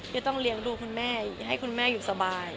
จะต้องเลี้ยงดูคุณแม่ให้คุณแม่อยู่สบาย